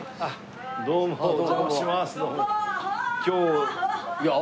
どうもお邪魔します。